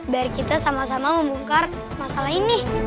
biar kita sama sama membongkar masalah ini